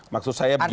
maksud saya begini